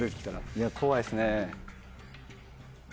いや怖いっすね。